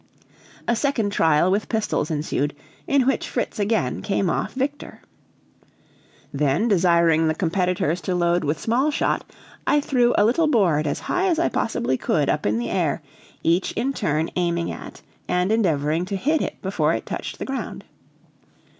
A second trial with pistols ensued, in which Fritz again came off victor. Then desiring the competitors to load with small shot, I threw a little board as high as I possibly could up in the air, each in turn aiming at and endeavoring to hit it before it touched the ground.